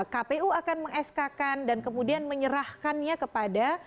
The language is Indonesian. kpu akan mengeskakan dan kemudian menyerahkannya kepada